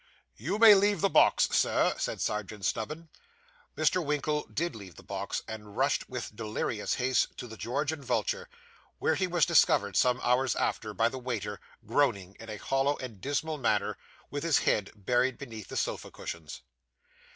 'You may leave the box, Sir,' said Serjeant Snubbin. Mr. Winkle did leave the box, and rushed with delirious haste to the George and Vulture, where he was discovered some hours after, by the waiter, groaning in a hollow and dismal manner, with his head buried beneath the sofa cushions.